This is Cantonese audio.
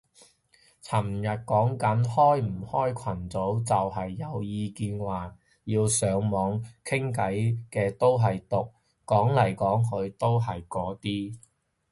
尋日講緊開唔開群組，就係有意見話要上網傾偈嘅都係毒，講嚟講去都係嗰啲